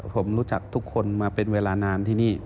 ผมรู้จักทุกคนมาเป็นเวลานานที่นี่